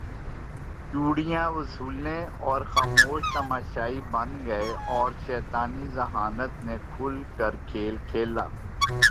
چوڑیاں وصولیں اور خاموش تماشائی بن گئے اور شیطانی ذہانت نے کھل کر کھیل کھیلا